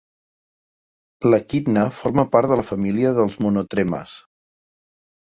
L'equidna forma part de la família dels monotremes.